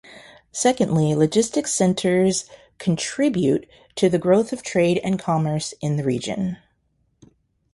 Secondly, logistics centers contribute to the growth of trade and commerce in the region.